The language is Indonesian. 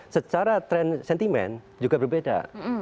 secara tren sentimen juga berbeda